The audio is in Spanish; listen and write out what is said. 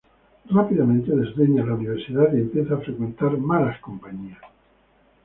Rápidamente desdeña la universidad y empieza a frecuentar malas compañías.